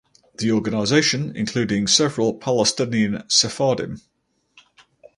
The organization including several Palestinian Sephardim.